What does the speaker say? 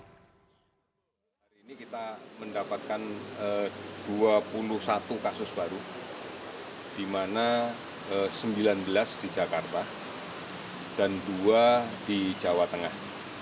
hari ini kita mendapatkan dua puluh satu kasus baru di mana sembilan belas di jakarta dan dua di jawa tengah